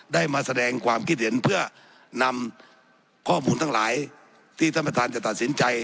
ได้มาแสดงความคิดเห็นเพื่อนำข้อมูลทั้งหลายที่ท่านประธานจะตัดสินใจ